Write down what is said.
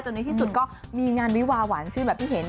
ในที่สุดก็มีงานวิวาหวานชื่นแบบที่เห็น